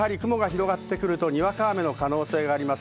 午後はやはり雲が広がってくると、にわか雨の可能性があります。